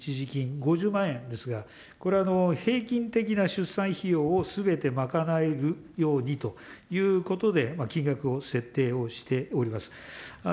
５０万円ですが、これ、平均的な出産費用をすべて賄えるようにということで、金額を設定をしております。